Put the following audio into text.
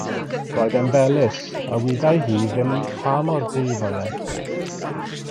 Roedd e'n felys, a wyddai hi ddim pa mor gryf oedd e.